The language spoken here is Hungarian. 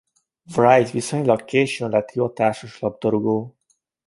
Wright viszonylag későn lett hivatásos labdarúgó.